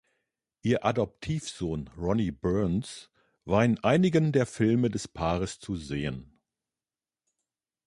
Ihr Adoptivsohn Ronnie Burns war in einigen der Filme des Paares zu sehen.